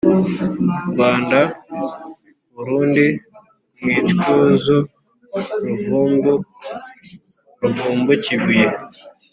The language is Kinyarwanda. rwanda burundi mwityazoruvumbu ruvumbukibuye